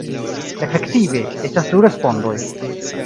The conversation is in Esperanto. Efektive, estas du respondoj.